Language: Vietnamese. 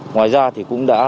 ngoài ra thì cũng đã